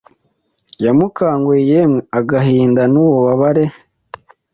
yamukanguyeYemwe agahinda nububabare